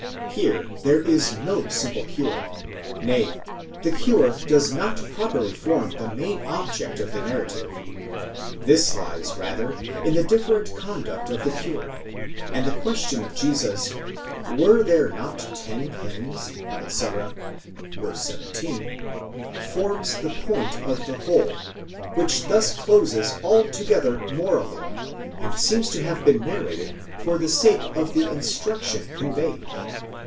Here there is no simple cure, nay, the cure does not properly form the main object of the narrative : this lies rather in the different conduct of the cured, and the question of Jesus, were there not ten cleansed, etc. (v. 17), forms the point of the whole, which thus closes altogether morally, and seems to have been narrated for the sake of the instruction conveyed.>